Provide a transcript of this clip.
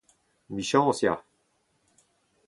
Emichañs, ya !